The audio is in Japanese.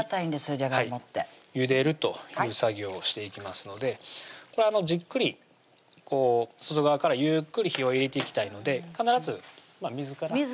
じゃがいもってゆでるという作業をしていきますのでじっくり外側からゆっくり火を入れていきたいので必ず水からいってください